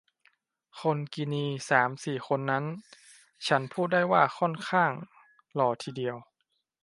คนกินีสามสี่คนนั้น ฉันพูดได้ว่าค่อนข้างหล่อทีเดียว